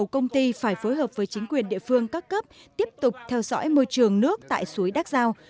công ty phải phối hợp với chính quyền địa phương các cấp tiếp tục theo dõi môi trường nước tại suối đắc giao